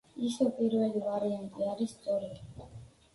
ისევ პირველი ვარიანტი არის სწორი.